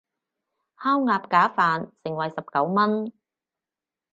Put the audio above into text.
烤鴨架飯，盛惠十九文